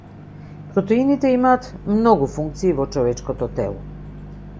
Протеините имаат многу функции во човечкото тело.